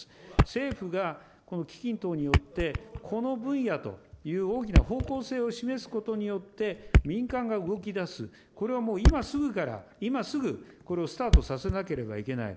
政府がこの基金等によって、この分野という大きな方向性を示すことによって、民間が動き出す、これはもう今すぐから、今すぐ、これをスタートさせなければいけない。